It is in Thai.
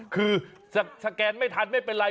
คือสแกนไม่ทันไม่เป็นไร